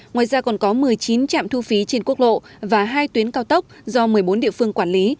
ngoài ra còn có một mươi chín trạm thu phí trên quốc lộ và hai tuyến cao tốc do một mươi bốn địa phương quản lý